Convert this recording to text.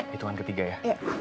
hitungan ketiga ya